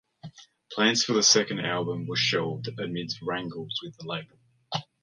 Plans for a second album were shelved amid wrangles with the label.